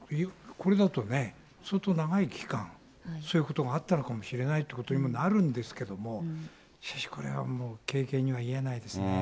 これだと、相当長い期間、そういうことがあったのかもしれないということもあるんですけども、しかしこれはもう、軽々には言えないですね。